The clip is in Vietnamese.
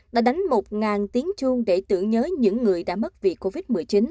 đã đánh một tiếng chuông để tưởng nhớ những người đã mất việc covid một mươi chín